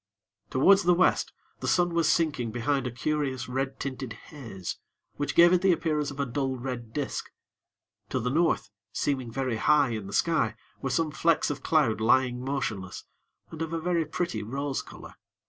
Towards the West, the sun was sinking behind a curious red tinted haze, which gave it the appearance of a dull red disk. To the North, seeming very high in the sky, were some flecks of cloud lying motionless, and of a very pretty rose color.